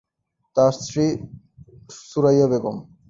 তার স্ত্রী সুরাইয়া বেগম।